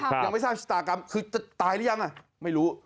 ยังไม่ทราบชะตากรรมคือจะตายหรือยังอ่ะไม่รู้